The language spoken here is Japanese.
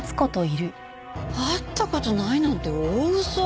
会った事ないなんて大嘘！